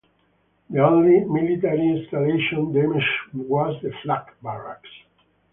The only military installation damaged was the flak barracks.